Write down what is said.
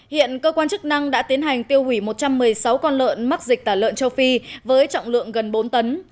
hiện cơ quan chức năng đã tiến hành tiêu hủy một trăm một mươi sáu con lợn mắc dịch tả lợn châu phi với trọng lượng gần bốn tấn